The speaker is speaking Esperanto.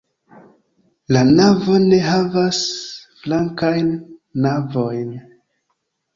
La navo ne havas flankajn navojn.